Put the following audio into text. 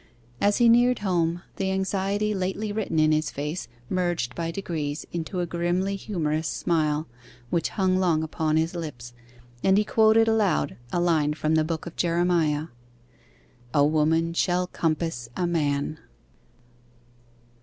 As he neared home, the anxiety lately written in his face, merged by degrees into a grimly humorous smile, which hung long upon his lips, and he quoted aloud a line from the book of Jeremiah 'A woman shall compass a man.